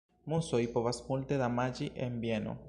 Musoj povas multe damaĝi en bieno.